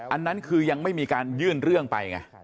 อันนั้นคือยังไม่มีการยื่นเรื่องไปไง